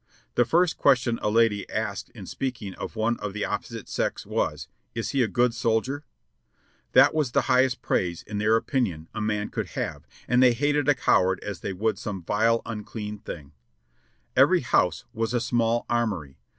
The first question a lady asked in speaking of one of the oppo site sex was: "Is he a good soldier?" That was the highest praise, 646 JOHNNY REB AND BILLY YANK in their opinion, a man could have, and they hated a coward as they would some vile, unclean thinjo . Every house was a small armory.